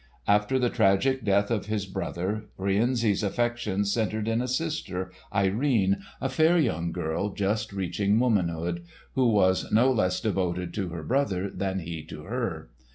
After the tragic death of his brother, Rienzi's affections centred in a sister, Irene, a fair young girl just reaching womanhood, who was no less devoted to her brother than he to her.